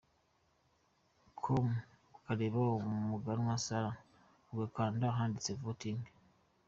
com ukareba Umuganwa Sarah ugakanda ahanditse Voting.